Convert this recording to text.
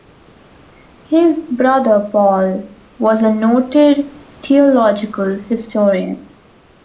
His brother, Paul, was a noted theological historian.